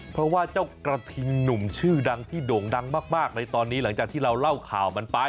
เพราะว่าเจ้ากระทิงหนุ่มชื่อดังที่โด่งดังมากในตอนนี้หลังจากที่เราเล่าข่าวมันไป